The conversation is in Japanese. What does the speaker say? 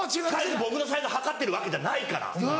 僕のサイズ測ってるわけじゃないから。